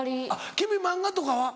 君漫画とかは？